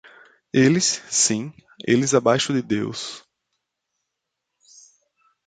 Eles, sim, eles abaixo de Deus.